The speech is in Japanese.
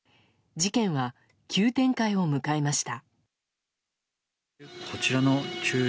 事件は、急展開を迎えました。